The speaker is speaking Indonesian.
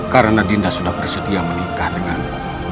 karena dinda sudah bersetia menikah denganmu